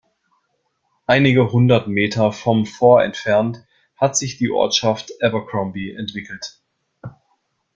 Einige hundert Meter vom Fort entfernt hat sich die Ortschaft "Abercrombie" entwickelt.